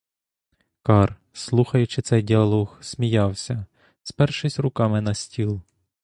Кар, слухаючи цей діалог, сміявся, спершись руками на стіл.